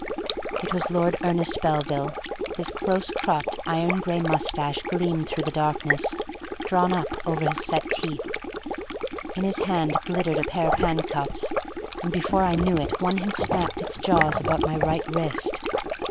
It was Lord Ernest Belville; his close cropped, iron gray moustache gleamed through the darkness, drawn up over his set teeth. In his hand glittered a pair of handcuffs, and before I knew it one had snapped its jaws about my right wrist.